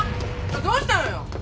どうしたのよ！